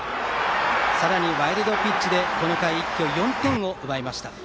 さらにワイルドピッチでこの回一挙４点を奪いました。